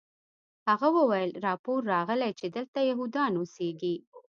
هغه وویل راپور راغلی چې دلته یهودان اوسیږي